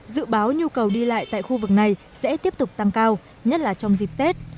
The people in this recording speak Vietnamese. dự báo nhu cầu đi lại tại khu vực này sẽ tiếp tục tăng cao nhất là trong dịp tết